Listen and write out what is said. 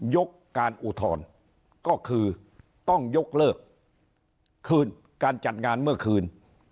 ยกการอุทธรณ์ก็คือต้องยกเลิกคืนการจัดงานเมื่อคืน